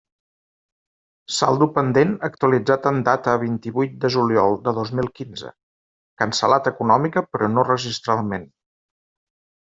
Saldo pendent actualitzat en data vint-i-vuit de juliol de dos mil quinze: cancel·lat econòmica però no registralment.